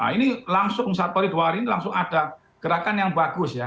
ini langsung satu hari dua hari ini langsung ada gerakan yang bagus ya